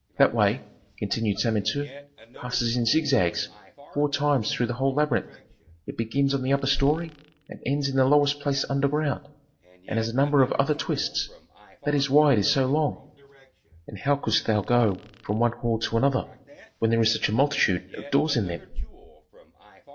That way," continued Samentu, "passes in zigzags four times through the whole labyrinth; it begins on the upper story and ends in the lowest place underground, and has a number of other twists. That is why it is so long." "And how couldst thou go from one hall to another when there is such a multitude of doors in them?"